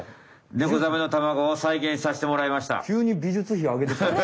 ネコザメの卵をさいげんさしてもらいました。ね！